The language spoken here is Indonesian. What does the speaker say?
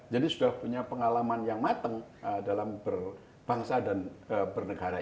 jadi sudah punya pengalaman yang mateng dalam berbangsa dan bernegara